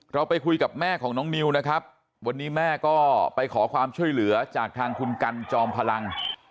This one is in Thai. เราไปคุยกับแม่ของน้องนิวนะครับวันนี้แม่ก็ไปขอความช่วยเหลือจากทางคุณกันจอมพลัง